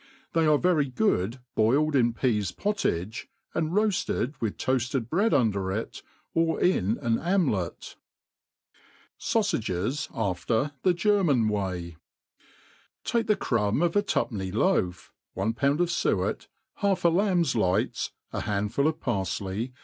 They are very good boiled in »peas* pottage^ and roafted with toafted breadiinder it, or in an amlti. Saufages after the German Way* TAKt^ the crumb x>f a two penny loaf, one pound of fuef,* half a lamb's lights, a handful of paifley.